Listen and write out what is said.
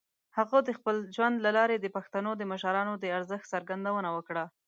هغه د خپل ژوند له لارې د پښتنو د مشرانو د ارزښت څرګندونه وکړه.